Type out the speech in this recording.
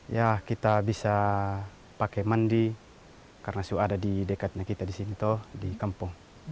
ya kita bisa pakai mandi karena sudah ada di dekatnya kita di sini toh di kampung